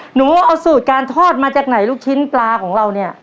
หนูว่าเอาสูตรการทอดมาจากไหนลูกชิ้นปลาของเราเนี่ย